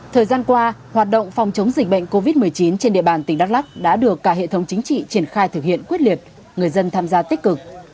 thời gian qua hoạt động phòng chống dịch bệnh covid một mươi chín trên địa bàn tỉnh đắk lắc đã được cả hệ thống chính trị triển khai thực hiện quyết liệt người dân tham gia tích cực